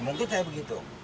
mungkin saya begitu